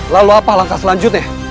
lalu apa langkah selanjutnya